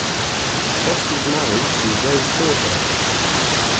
Frost is married to Ray Sawhill.